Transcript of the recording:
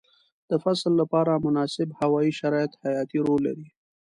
د فصل لپاره مناسب هوايي شرایط حیاتي رول لري.